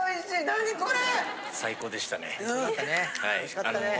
何これ！？